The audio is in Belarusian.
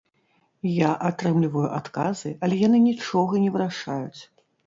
Я атрымліваю адказы, але яны нічога не вырашаюць.